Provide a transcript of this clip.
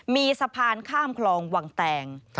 มีสะพานข้ามคลองวังแตง